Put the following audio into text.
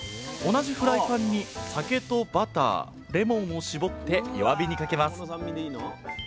同じフライパンに酒とバターレモンを搾って弱火にかけます。